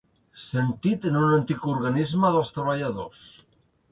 Sentit en un antic organisme dels treballadors.